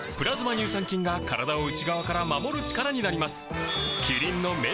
乳酸菌が体を内側から守る力になります